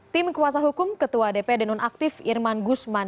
tim kuasa hukum ketua dpdri nonaktif irman guzman